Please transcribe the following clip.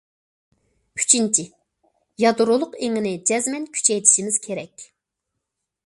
ئۈچىنچى، يادرولۇق ئېڭىنى جەزمەن كۈچەيتىشىمىز كېرەك.